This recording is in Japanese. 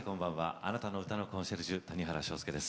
あなたの歌のコンシェルジュ谷原章介です。